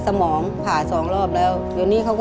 ฉันต้องต้องมาต่อมา